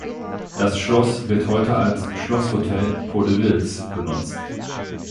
Das Schloss wird heute als „Schlosshotel Podewils“ genutzt.